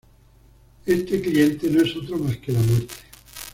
Este cliente no es otro más que La Muerte.